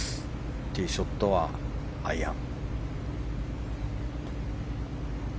ティーショットはアイアン。